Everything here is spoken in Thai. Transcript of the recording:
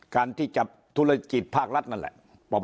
การที่จับธุรกิจภาครัฐนั่นแหละ